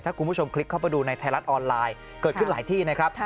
ถ้าคุณผู้ชมคลิกเข้าไปดูในไทยรัฐออนไลน์เกิดขึ้นหลายที่นะครับ